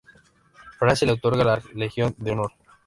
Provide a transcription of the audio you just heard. Francia le otorgó la Legión de Honor.